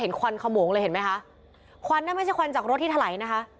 ควันขโมงเลยเห็นไหมคะควันน่ะไม่ใช่ควันจากรถที่ถลายนะคะ